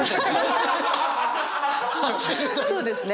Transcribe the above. そうですね。